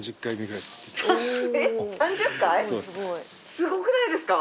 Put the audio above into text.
すごくないですか？